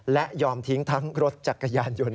และยอมทิ้งทั้งรถจักรยานยนต์